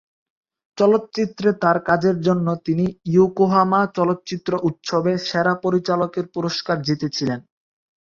চলচ্চিত্রে তার কাজের জন্য তিনি ইয়োকোহামা চলচ্চিত্র উৎসবে সেরা পরিচালকের পুরস্কার জিতেছিলেন।